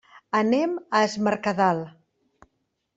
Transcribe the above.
Anem a es Mercadal.